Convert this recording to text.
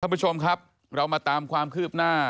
ผู้ชมครับเรามาตามความคืบหน้า